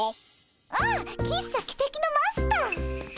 あっ喫茶汽笛のマスター。